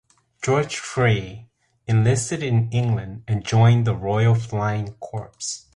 Geoffrey enlisted in England and joined the Royal Flying Corps.